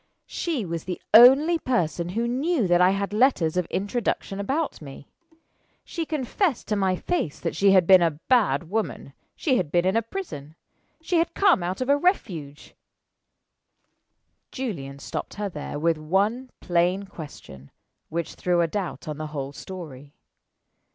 She was the only person who knew that I had letters of introduction about me. She confessed to my face that she had been a bad woman she had been in a prison she had come out of a refuge " Julian stopped her there with one plain question, which threw a doubt on the whole story.